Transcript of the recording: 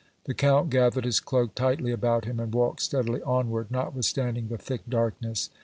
The Count gathered his cloak tightly about him and walked steadily onward, notwithstanding the thick darkness.